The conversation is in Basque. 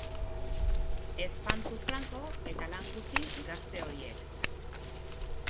Espantu franko eta lan guti gazte horiek.